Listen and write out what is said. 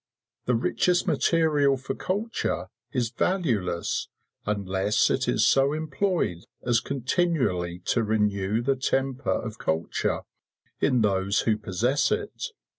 The richest material for culture is valueless unless it is so employed as continually to renew the temper of culture in those who possess it.